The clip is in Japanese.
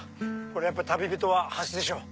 やっぱり旅人は橋でしょう。